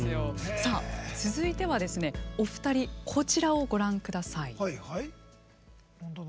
続いては、お二人こちらをご覧ください。